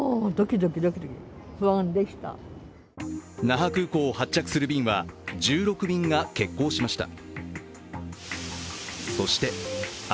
那覇空港を発着する便は１６便が欠航しました。